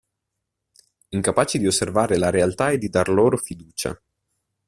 Incapaci di osservare la realtà e di dar loro fiducia.